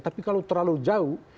tapi kalau terlalu jauh